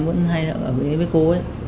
vẫn hay ở bên đấy với cô